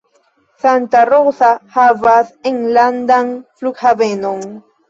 Santa Rosa havas enlandan flughavenon.